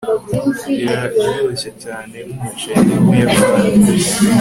biraryoshe cyane nkumuceri wubuyapani